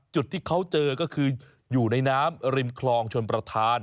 จุดที่เขาเจอก็คืออยู่ในน้ำริมคลองชนประธาน